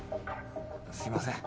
すいません。